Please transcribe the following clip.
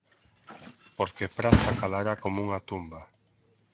Porque Praza calará como unha tumba.